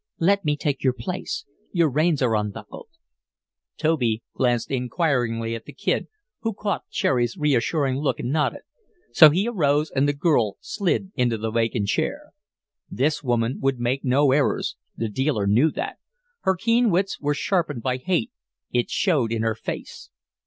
"Let me take your place; your reins are unbuckled." Toby glanced inquiringly at the Kid, who caught Cherry's reassuring look and nodded, so he arose and the girl slid into the vacant chair. This woman would make no errors the dealer knew that; her keen wits were sharpened by hate it showed in her face.